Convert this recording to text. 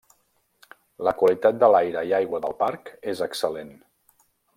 La qualitat de l'aire i aigua del Parc és excel·lent.